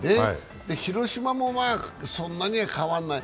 広島もそんなには変わらない。